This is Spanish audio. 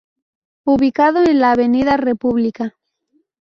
Ubicado en la Avenida República.